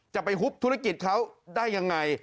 จะไปฮุบธุรกิจเขาได้ยังไง